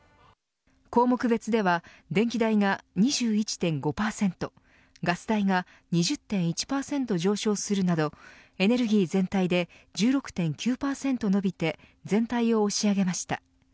項目別では電気代が２１．５％ガス代が２０．１％上昇するなどエネルギー全体で１６．９％伸びて全体を押し上げました。